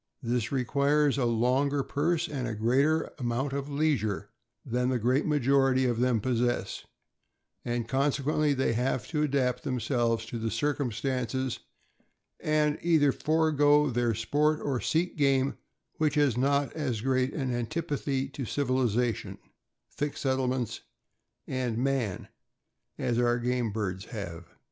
This requires a longer purse and greater amount of leisure than the great major ity of them possess, and consequently they have to adapt themselves to the circumstances, and either forego their sport or seek game which has not as great an antipathy to civilization, thick settlements, and man, as our game birds have.